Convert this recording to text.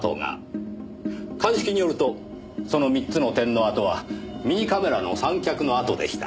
鑑識によるとその３つの点の跡はミニカメラの三脚の跡でした。